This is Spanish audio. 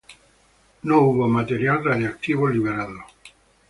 No hubo material radiactivo liberado.